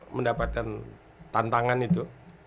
mendapatkan tantangan itu